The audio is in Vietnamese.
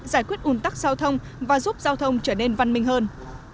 giải quyết un tắc giao thông và giúp giao thông trở nên văn minh hơn